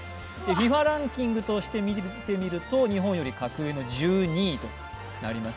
ＦＩＦＡランキングとしてみると日本より格上の１２位となります。